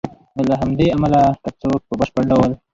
نو له همدې امله که څوک په بشپړ ډول